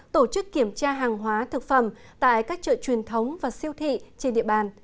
tổ chức kiểm tra hàng hóa thực phẩm tại các chợ truyền thống và siêu thị trên địa bàn